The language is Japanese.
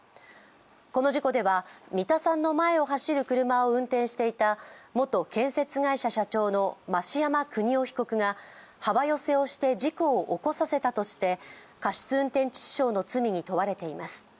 この事故では三田さんの前を走る車を運転していた元建設会社社長の増山邦夫被告が幅寄せをして事故を起こさせたとして過失運転致死傷の罪に問われています。